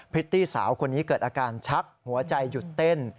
พริตตี้สาวคนนี้เกิดอาการชักหัวใจหยุดเต้น